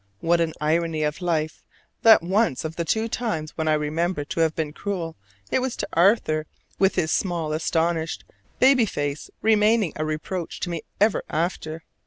What an irony of life that once of the two times when I remember to have been cruel, it was to Arthur, with his small astonished baby face remaining a reproach to me ever after!